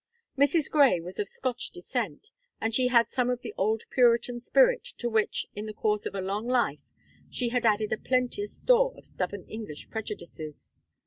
Mrs. Gray was of Scotch descent, and she had some of the old puritan spirit, to which, in the course of a long life, she had added a plenteous store of stubborn English prejudices.